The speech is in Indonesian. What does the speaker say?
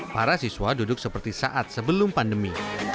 para siswa duduk seperti saat sebelum pandemi